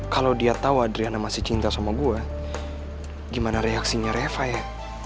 kalo dia tau adriana masih cinta sama gua gimana reaksinya reva ya